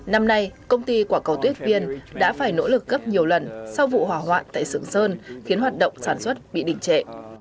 năm nay công ty quả cầu tuyết viên đã phải nỗ lực gấp nhiều lần sau vụ hỏa hoạn tại sưởng sơn khiến hoạt động sản xuất bị đỉnh trệ